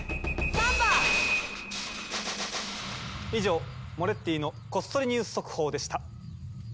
以上「モレッティのこっそりニュース速報」でした。